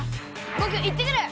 ぼく行ってくる！